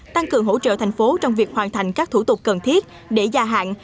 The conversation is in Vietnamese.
tăng cường hỗ trợ thành phố trong việc hoàn thành các thủ tục cần thiết để gia hạn